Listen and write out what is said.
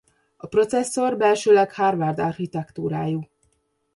A processzor belsőleg Harvard-architektúrájú.